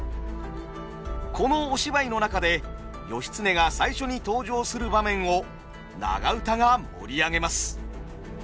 このお芝居の中で義経が最初に登場する場面を長唄が盛り上げます。